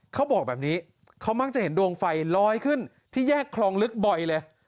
เขาบอกแบบนี้เขามักจะเห็นดวงไฟลอยขึ้นที่แยกคลองลึกบ่อยเลย